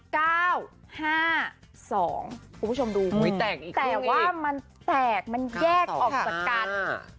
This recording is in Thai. คุณผู้ชมดูแต่ว่ามันแตกมันแยกออกจากกัน